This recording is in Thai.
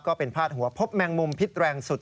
ก็เป็นภาษาหัวพบแมงมุมพิษแรงสุด